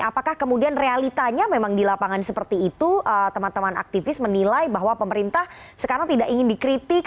apakah kemudian realitanya memang di lapangan seperti itu teman teman aktivis menilai bahwa pemerintah sekarang tidak ingin dikritik